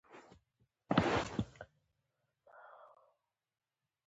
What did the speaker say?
څنګه چې مې دوی ته هو وویل، سمدستي موټر ته را پورته شوې.